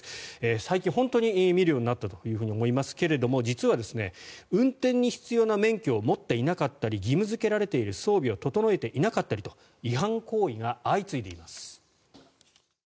最近本当に見るようになったと思いますけれども実は、運転に必要な免許を持っていなかったり義務付けられている装備を整えていなかったりと違反行為が相次いでいます。